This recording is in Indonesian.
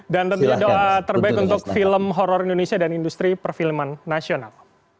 dan doa terbaik untuk film horor indonesia dan industri perfilman nasional